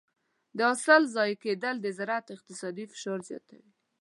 د حاصل ضایع کېدل د زراعت اقتصادي فشار زیاتوي.